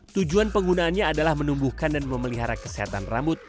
tujuan penggunaannya adalah menumbuhkan dan memelihara kesehatan rambut